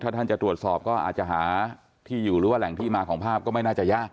ถ้าท่านจะตรวจสอบก็อาจจะหาที่อยู่หรือว่าแหล่งที่มาของภาพก็ไม่น่าจะยาก